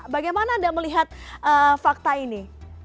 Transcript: bagaimana anda melihat fakta ini